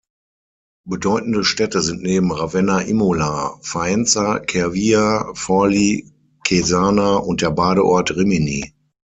Bedeutende Städte sind neben Ravenna Imola, Faenza, Cervia, Forlì, Cesena und der Badeort Rimini.